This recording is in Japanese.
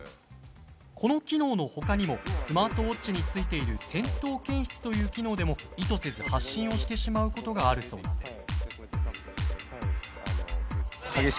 この機能のほかにもスマートウォッチについている「転倒検出」という機能でも意図せず発信をしてしまうことがあるそうなんです。